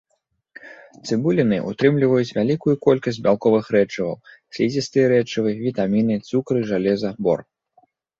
Цыбуліны ўтрымліваюць вялікую колькасць бялковых рэчываў, слізістыя рэчывы, вітаміны, цукры, жалеза, бор.